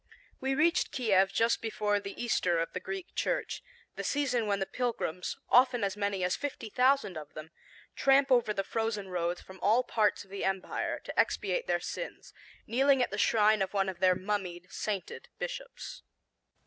We reached Kiev just before the Easter of the Greek Church, the season when the pilgrims, often as many as fifty thousand of them, tramp over the frozen roads from all parts of the empire to expiate their sins, kneeling at the shrine of one of their mummied, sainted bishops.